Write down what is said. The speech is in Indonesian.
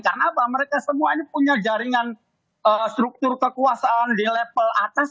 karena apa mereka semua ini punya jaringan struktur kekuasaan di level atas